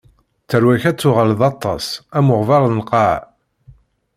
Tarwa-k ad tuɣal d aṭas, am uɣebbar n lqaɛa.